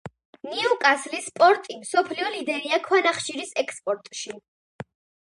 ნიუკასლის პორტი მსოფლიო ლიდერია ქვანახშირის ექსპორტში.